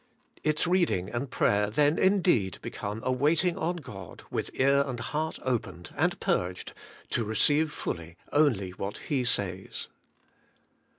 Its reading and prayer then indeed become a waiting on God with ear and heart opened and purged to receive fully only what He says.